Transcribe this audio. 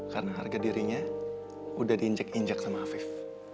karena harga dirinya udah diinjek injek sama afif